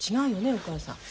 お母さん。